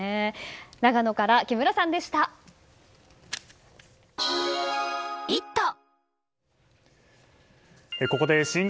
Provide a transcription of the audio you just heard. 長野から木村さんでした。